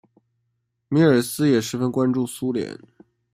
米尔斯也十分关注苏联。